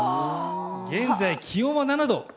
現在気温は７度。